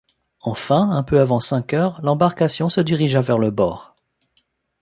Enfin, un peu avant cinq heures, l’embarcation se dirigea vers le bord.